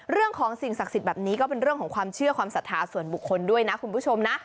เรื่องของสิ่งศักดิ์สิทธิ์แบบนี้ก็เป็นเรื่องของความเชื่อความศรัทธาส่วนบุคคลด้วยนะคุณผู้ชมนะ